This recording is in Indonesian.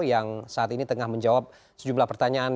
yang saat ini tengah menjawab sejumlah pertanyaan